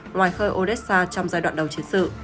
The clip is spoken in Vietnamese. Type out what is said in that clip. ngoài khơi odessa trong giai đoạn đầu chiến sự